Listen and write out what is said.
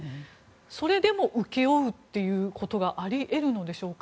それでも請け負うということがあり得るのでしょうか。